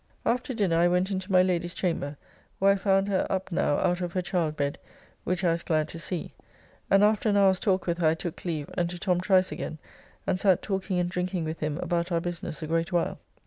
After dinner I went into my Lady's chamber where I found her up now out of her childbed, which I was glad to see, and after an hour's talk with her I took leave and to Tom Trice again, and sat talking and drinking with him about our business a great while.